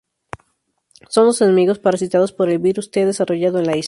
Son los enemigos parasitados por el virus-T desarrollado en la isla.